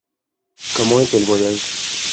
Comment était le voyage ?